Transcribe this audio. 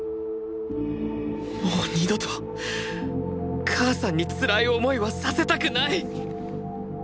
もう二度と母さんにつらい思いはさせたくない！